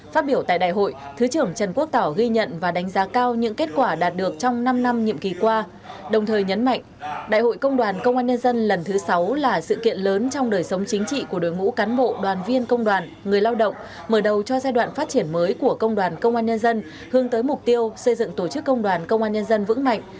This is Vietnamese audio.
phát biểu tại đại hội thứ trưởng trần quốc tảo ghi nhận và đánh giá cao những kết quả đạt được trong năm năm nhiệm kỳ qua đồng thời nhấn mạnh đại hội công đoàn công an nhân dân lần thứ sáu là sự kiện lớn trong đời sống chính trị của đối ngũ cán bộ đoàn viên công đoàn người lao động mở đầu cho giai đoạn phát triển mới của công đoàn công an nhân dân hướng tới mục tiêu xây dựng tổ chức công đoàn công an nhân dân vững mạnh